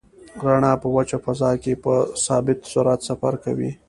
رڼا په وچه فضا کې په ثابت سرعت سفر کوي.